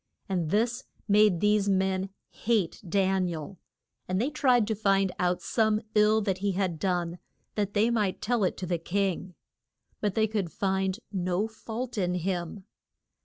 And this made these men hate Dan i el, and they tried to find out some ill that he had done that they might tell it to the king. But they could find no fault in him.